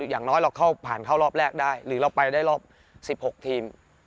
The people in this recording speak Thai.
อย่างน้อยเราเข้าผ่านเข้ารอบแรกได้หรือเราไปได้รอบ๑๖ทีม